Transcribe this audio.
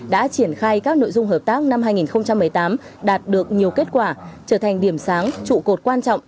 đã triển khai các nội dung hợp tác năm hai nghìn một mươi tám đạt được nhiều kết quả trở thành điểm sáng trụ cột quan trọng